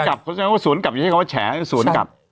สวนกลับเค้าบอกว่าสวนกลับไม่ใช่ว่าแฉกรับสวนกลับ